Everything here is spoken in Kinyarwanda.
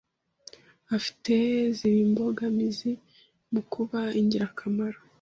afite ziba imbogamizi mu kuba ingirakamaro